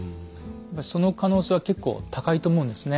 その可能性は結構高いと思うんですね。